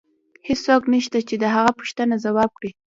هیڅوک نشته چې د هغه پوښتنه ځواب کړي